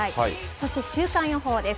そして週間予報です。